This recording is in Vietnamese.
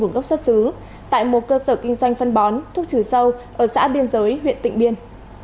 nguồn gốc xuất xứ tại một cơ sở kinh doanh phân bón thuốc trừ sâu ở xã biên giới huyện tịnh biên